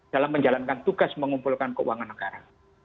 dalam menjalankan tugas mengumpulkan keuangan negara